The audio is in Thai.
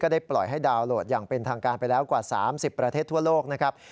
ได้ปล่อยให้ดาวน์โหลดอย่างเป็นทางการไปแล้วกว่า๓๐ประเทศทั่วโลกนะครับ